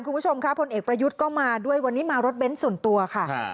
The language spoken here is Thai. คุณผู้ชมค่ะพลเอกประยุทธ์ก็มาด้วยวันนี้มารถเน้นส่วนตัวค่ะ